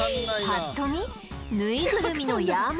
ぱっと見ぬいぐるみの山